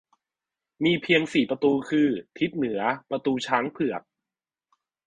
มีเพียงสี่ประตูคือ ทิศเหนือประตูช้างเผือก